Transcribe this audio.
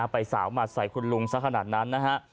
ไปสาวหมัดใส่คุณลุงสักขนาดนั้นนะฮะ